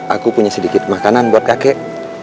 aku punya sedikit makanan buat kakek